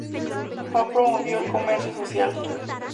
Fab promovió el comercio social.